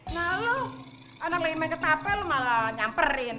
nah lo anak lagi main ketapel malah nyamperin